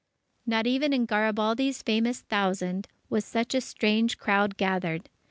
Not even in Garibaldi's famous Thousand, was such a strange crowd gathered.